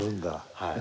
はい。